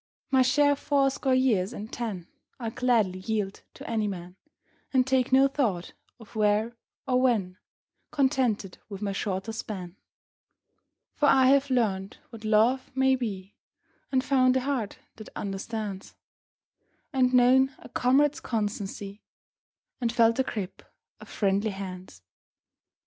My share of fourscore years and ten I'll gladly yield to any man, And take no thought of " where " or " when," Contented with my shorter span. 32 BETTER FAR TO PASS AWAY 33 For I have learned what love may be, And found a heart that understands, And known a comrade's constancy, And felt the grip of friendly hands.